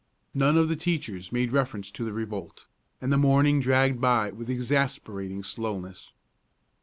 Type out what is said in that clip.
None of the teachers made reference to the revolt, and the morning dragged by with exasperating slowness.